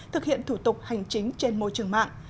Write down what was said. thực hiện thủ tục hành chính trên môi trường mạng